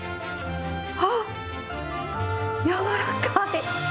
あっ、やわらかい。